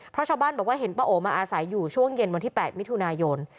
เพราะชาวบ้านบอกว่าเห็นป้าโอมาอาศัยอยู่ช่วงเย็นวันที่๘มิถุนายน